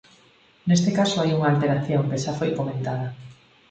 Neste caso hai unha alteración, que xa foi comentada.